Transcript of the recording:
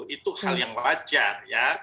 itu hal yang wajar ya